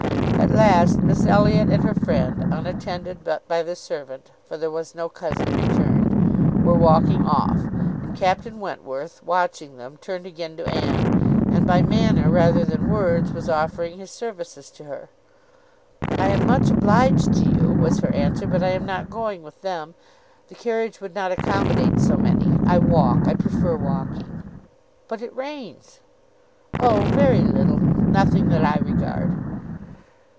At last Miss Elliot and her friend, unattended but by the servant, (for there was no cousin returned), were walking off; and Captain Wentworth, watching them, turned again to Anne, and by manner, rather than words, was offering his services to her. "I am much obliged to you," was her answer, "but I am not going with them. The carriage would not accommodate so many. I walk: I prefer walking." "But it rains." "Oh! very little, Nothing that I regard."